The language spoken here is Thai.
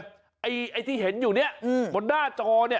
ไอ้ที่เห็นอยู่เนี่ยบนหน้าจอเนี่ย